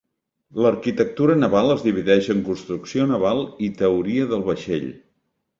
L'arquitectura naval es divideix en construcció naval i teoria del vaixell.